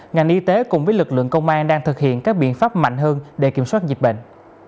ngành y tế cùng với lực lượng công an đang thực hiện các biện pháp mạnh hơn để kiểm soát dịch bệnh